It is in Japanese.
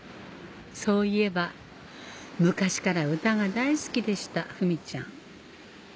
そういえば昔から歌が大好きでしたフミちゃん